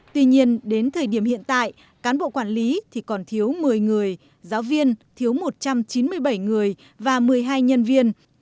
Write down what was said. tuy nhiên đến thời điểm hiện tại cán bộ quản lý thì còn thiếu một mươi người giáo viên thiếu một trăm chín mươi bảy người và một mươi hai nhân viên